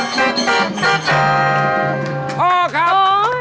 ชิคกี้พาย